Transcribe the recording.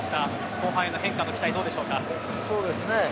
後半への変化の期待はいかがでしょうか。